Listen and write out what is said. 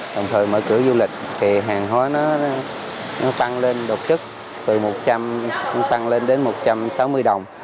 đồng thời mở cửa du lịch thì hàng hóa nó tăng lên đột sức từ một trăm linh tăng lên đến một trăm sáu mươi đồng